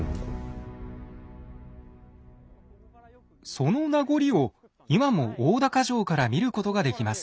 その名残を今も大高城から見ることができます。